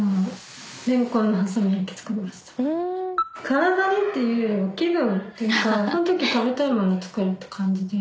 体にっていうよりも気分っていうかそのとき食べたいものを作るって感じで。